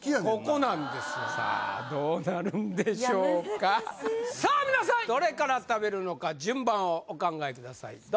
ここなんですよさあどうなるんでしょうかさあ皆さんどれから食べるのか順番をお考えください